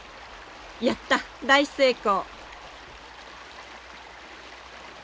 やった大成功。